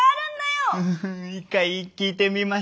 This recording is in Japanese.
うん一回聞いてみましょうか。